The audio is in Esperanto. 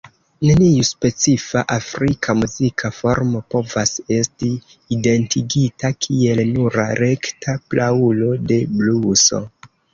Neniu specifa afrika muzika formo povas esti identigita kiel nura rekta praulo de bluso.